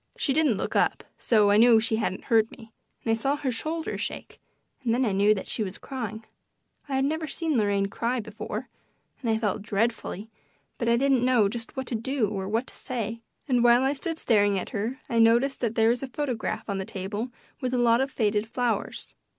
She didn't look up, so I knew she hadn't heard me, and I saw her shoulders shake, and then I knew that she was crying. I had never seen Lorraine cry before, and I felt dreadfully, but I didn't know just what to do or what to say, and while I stood staring at her I noticed that there was a photograph on the table with a lot of faded flowers.